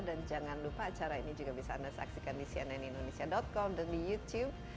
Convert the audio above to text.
dan jangan lupa acara ini juga bisa anda saksikan di cnnindonesia com dan di youtube